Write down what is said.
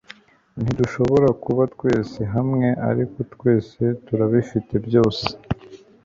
ntidushobora kuba twese hamwe ariko twese turabifite byose